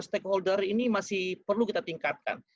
stakeholder ini masih perlu kita tingkatkan